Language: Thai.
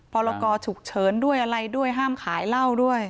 พรกรฉุกเฉินด้วยอะไรด้วยห้ามขายเหล้าด้วย